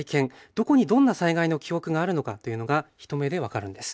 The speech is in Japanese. どこにどんな災害の記憶があるのかというのが一目で分かるんです。